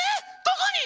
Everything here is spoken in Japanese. どこに？